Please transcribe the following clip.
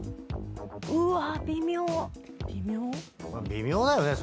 微妙だよね。